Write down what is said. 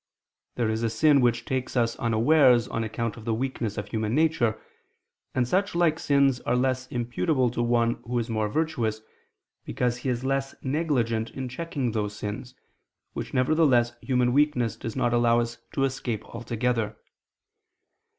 There is a sin which takes us unawares on account of the weakness of human nature: and such like sins are less imputable to one who is more virtuous, because he is less negligent in checking those sins, which nevertheless human weakness does not allow us to escape altogether.